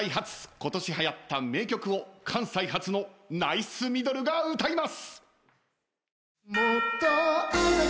今年はやった名曲を関西発のナイスミドルが歌います！